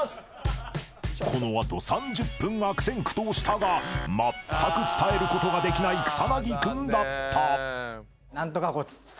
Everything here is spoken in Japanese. ［この後３０分悪戦苦闘したがまったく伝えることができない草薙君だった］